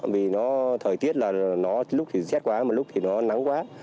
vì nó thời tiết là nó lúc thì rét quá một lúc thì nó nắng quá